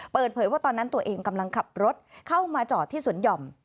เปิดเผยว่าตอนนั้นตัวเองกำลังขับรถเข้ามาจอดที่สวนหย่อม